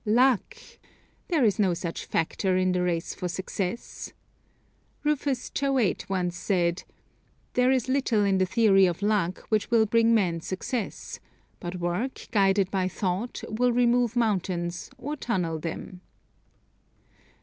Luck! There is no such factor in the race for success. Rufus Choate once said, "There is little in the theory of luck which will bring man success; but work, guided by thought, will remove mountains or tunnel them."